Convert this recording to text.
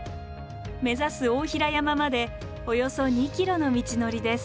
目指す大平山までおよそ２ｋｍの道のりです。